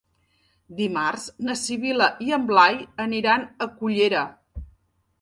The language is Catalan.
Dimarts na Sibil·la i en Blai iran a Cullera.